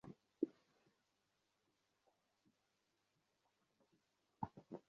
আবার খুঁজে দেখ।